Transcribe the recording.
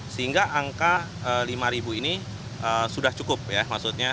sehingga angka lima ini sudah cukup ya maksudnya